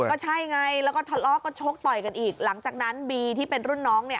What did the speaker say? ก็ใช่ไงแล้วก็ทะเลาะก็ชกต่อยกันอีกหลังจากนั้นบีที่เป็นรุ่นน้องเนี่ย